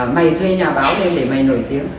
mày thuê nhà báo lên để mày nổi tiếng